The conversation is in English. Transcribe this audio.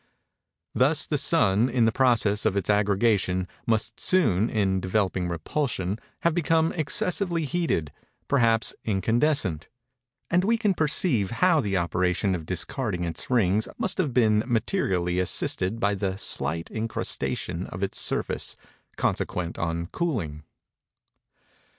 Thus the Sun, in the process of its aggregation, must soon, in developing repulsion, have become excessively heated—perhaps incandescent: and we can perceive how the operation of discarding its rings must have been materially assisted by the slight incrustation of its surface consequent on cooling.